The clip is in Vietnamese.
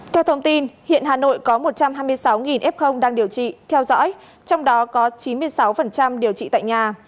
theo thông tin hiện hà nội có một trăm hai mươi sáu f đang điều trị theo dõi trong đó có chín mươi sáu điều trị tại nhà